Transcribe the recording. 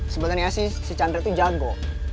sebenernya sih si chandra tuh jago